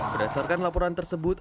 berdasarkan laporan tersebut